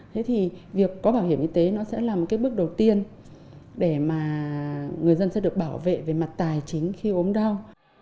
thế thì việc có bảo hiểm y tế nó sẽ là một cái bước đầu tiên để mà người dân sẽ được bảo vệ về mặt tài chính khi ốm đau